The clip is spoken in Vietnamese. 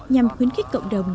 nhằm khuyến khích cộng đồng